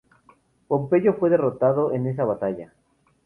Pompeyo fue derrotado en esta batalla.